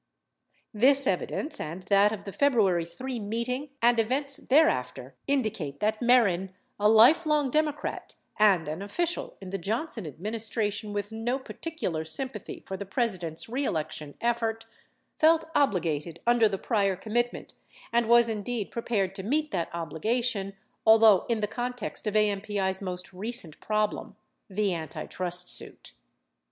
This evidence and that of the February 3 meeting and events there after indicate that Mehren — a life long Democrat and an official in the Johnson administration with no particular sympathy for the Pres ident's reelection effort 60 — felt obligated under the prior commit ment and was indeed prepared to meet that obligation, although in the context of AMPI's most recent problem — the antitrust suit.